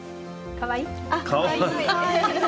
かわいい。